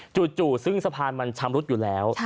จู่ซึ่งสะพานมันชำรุดอยู่แล้ว